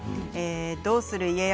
「どうする家康」